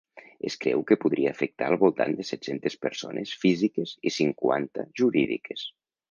Es creu que podria afectar al voltant de set-centes persones físiques i cinquanta jurídiques.